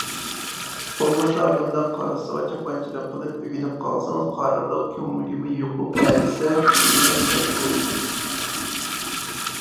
بولمىسا، بۇنداق قارىسىغا چاپانچىلىق قىلىپ ئۆگىنىپ قالسىڭىز قارىلىق كۆڭۈلگىمۇ يۇقۇپ ئەدىسە تۈزىمەك تەس بولىدۇ.